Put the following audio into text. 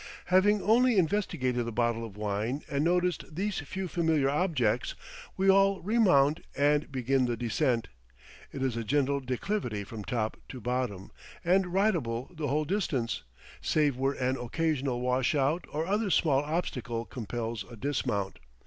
Having duly investigated the bottle of wine and noticed these few familiar objects, we all remount and begin the descent. It is a gentle declivity from top to bottom, and ridable the whole distance, save where an occasional washout or other small obstacle compels a dismount.